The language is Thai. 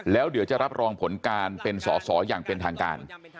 แล้วเดี๋ยวจะรับรองผลการเป็นสอสออย่างเป็นทางการ